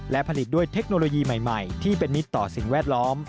และผลิตด้วยเทคโนโลยีใหม่ที่เป็นมิตรต่อสิ่งแวดล้อม